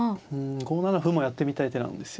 ５七歩もやってみたい手なんですよね。